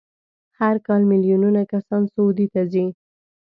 هر کال میلیونونه کسان سعودي ته ځي.